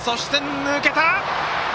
抜けた！